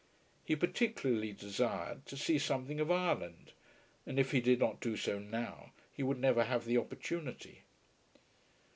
He particularly desired to see something of Ireland, and if he did not do so now, he would never have the opportunity.